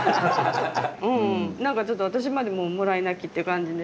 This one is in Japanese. うん何かちょっと私までもうもらい泣きっていう感じで。